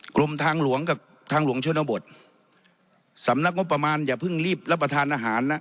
กรมทางหลวงกับทางหลวงชนบทสำนักงบประมาณอย่าเพิ่งรีบรับประทานอาหารนะ